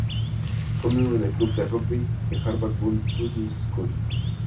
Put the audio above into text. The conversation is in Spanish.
Fue miembro del Club de Rugby de Harvard Business School.